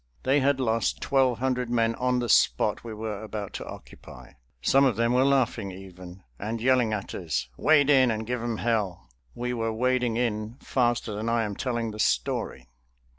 They had lost twelve hundred men on the spot we were about to occupy. Some of them were laughing even, and yelling at us: "Wade in and give them hell." We were wading in faster than I am telling the story.